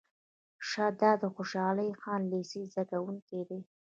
شه دا د خوشحال خان لېسې زده کوونکی دی.